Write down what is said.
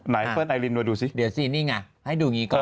เพื่อนไอลินมาดูสิเดี๋ยวสินี่ไงให้ดูอย่างนี้ก่อน